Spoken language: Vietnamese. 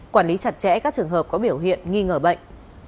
quản lý chặt chẽ các trường hợp có biểu hiện nghi ngờ bệnh